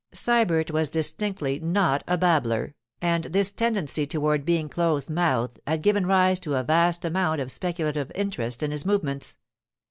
Sybert was distinctly not a babbler, and this tendency toward being close mouthed had given rise to a vast amount of speculative interest in his movements.